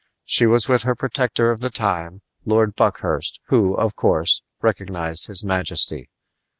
She was with her protector of the time, Lord Buckhurst, who, of course, recognized his majesty.